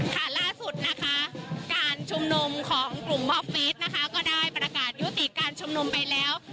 ค่ะล่าสุดนะคะการชุมนุมของกลุ่มมอบฟีดนะคะก็ได้ประกาศยุติการชุมนุมไปแล้ว